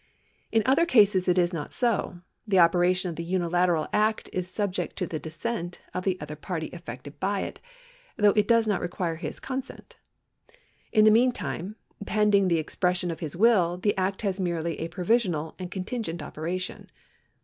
In other cases it is not so ; the operation of the unilateral act is subject to the dissent of the other party affected by it, though it does not require his consent. In the meantime, pending the expression of his will, the act has merely a provisional and contingent operation.